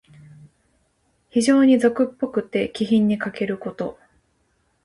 非情に俗っぽくて、気品にかけること。